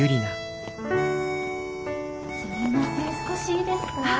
少しいいですか？